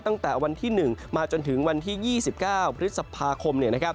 ตั้งแต่วันที่๑มาจนถึงวันที่๒๙พฤษภาคม